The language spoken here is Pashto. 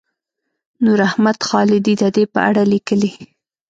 نوراحمد خالدي د دې په اړه لیکلي.